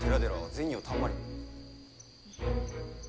銭をたんまり。